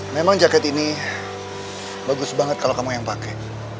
memang jaket ini bagus banget kalau kamu yang pakai